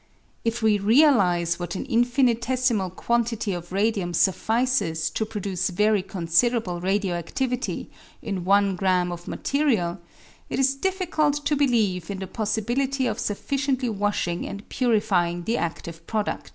If we realise what an in finitesimal quantity of radium suffices to produce very considerable radio adlivity in i grm. of material, it is diffi cult to believe in the possibility of sufficiently washing and purifying the adive produd.